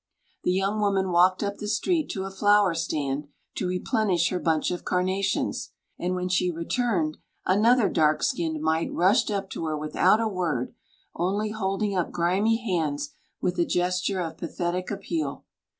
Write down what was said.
The young woman walked up the street to a flower stand to replenish her bunch of carnations, and when she returned, another dark skinned mite rushed up to her without a word, only holding up grimy hands with a gesture of pathetic appeal.